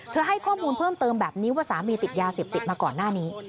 ให้ข้อมูลเพิ่มเติมแบบนี้ว่าสามีติดยาเสพติดมาก่อนหน้านี้